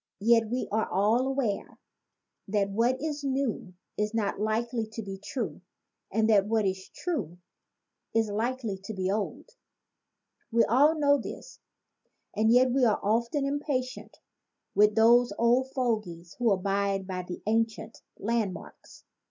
Yet we are all aware that what is new is not likely to be true and that what is true is likely to be old. We all know this, and yet we are often impatient with those old fogies who abide by the ancient land marks.